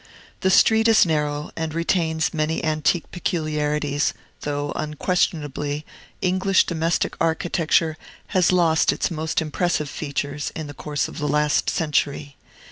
The street is narrow, and retains many antique peculiarities; though, unquestionably, English domestic architecture has lost its most impressive features, in the course of the last century.